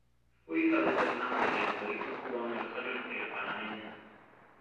Fue hija de Fernando Oller, de origen cubano y Rosario Ortega, panameña.